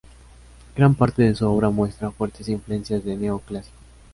Gran parte de su obra muestra fuertes influencias de neo clásico.